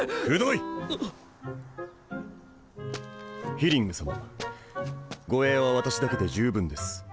ヒリング様護衛は私だけでじゅうぶんです。